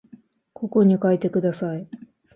ここに書いてください